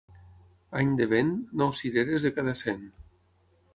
Any de vent, nou cireres de cada cent.